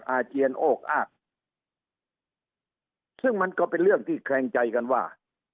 อาเจียนโอกอากซึ่งมันก็เป็นเรื่องที่แคลงใจกันว่า